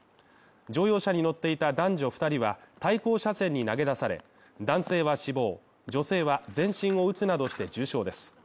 乗用車に乗っていた男女２人は対向車線に投げ出され、男性は死亡女性は全身を打つなどして重傷です。